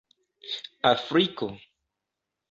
afriko